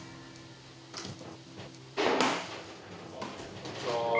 こんにちは。